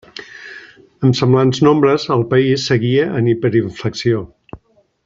Amb semblants nombres al país seguia en hiperinflació.